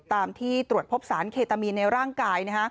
ตามที่ตรวจพบสารเคตามีนในร่างกาย